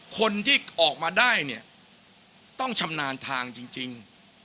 คนที่ออกมาได้เนี่ยต้องชำนาญทางจริง